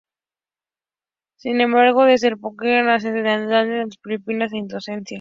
Se encuentra desde el Pakistán hasta Tailandia, las Filipinas e Indonesia.